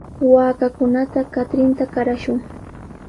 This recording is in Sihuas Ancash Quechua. Waakakunata katrinta qarashun.